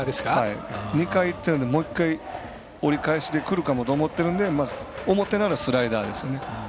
２回いってるのでもう１回折り返しでくるかもと思ってるんで表ならスライダーですよね。